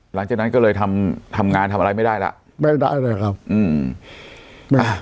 หลังจากนั้นก็เลยทำทำงานทำอะไรไม่ได้ล่ะไม่ได้เลยครับอืมแม่